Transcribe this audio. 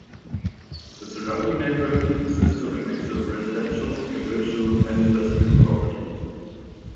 The surrounding neighborhood consists of a mix of residential, commercial, and industrial properties.